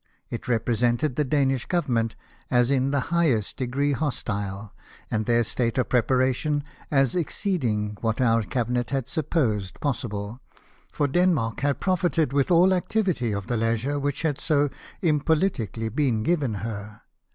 It represented the Danish Government as in the highest degree hostile, and their state of preparation as exceeding what our Cabinet had supposed possible, for Denmark had profited with all activity of the leisure which had so impoliticly been given her.